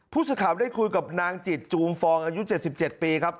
ผู้สื่อข่าวได้คุยกับนางจิตจูมฟองอายุ๗๗ปีครับ